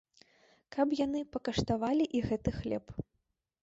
Каб яны пакаштавалі і гэты хлеб.